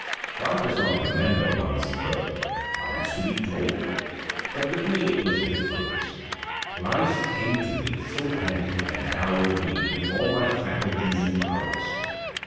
One does not remember one's birth one has to be told. But with me it was different; life came to me full handed and dowered me with all my faculties and powers.